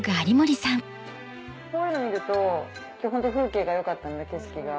こういうの見ると今日ホント風景が良かったんで景色が。